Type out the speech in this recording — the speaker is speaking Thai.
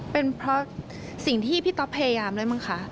เป็นเพราะสิ่งที่พี่ต๊อปพยายามด้วยมั้งคะ